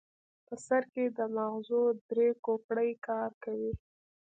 په هر سر کې د ماغزو درې کوپړۍ کار کوي.